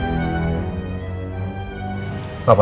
supaya bayi itu hidup dengan layak